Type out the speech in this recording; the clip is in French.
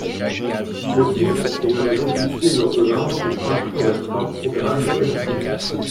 Le il est nommé officier d’ordonnance du prince Florestan au grade de capitaine.